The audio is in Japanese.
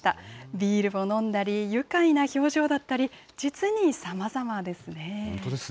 ビールを飲んだり、愉快な表情だったり、実にさまざまですね。